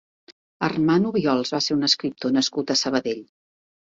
Armand Obiols va ser un escriptor nascut a Sabadell.